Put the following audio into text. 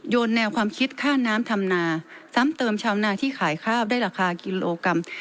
แนวความคิดค่าน้ำทำนาซ้ำเติมชาวนาที่ขายข้าวได้ราคากิโลกรัม